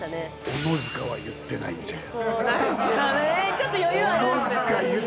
小野塚言ってないのよ！